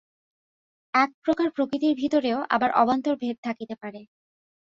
এক প্রকার প্রকৃতির ভিতরেও আবার অবান্তর ভেদ থাকিতে পারে।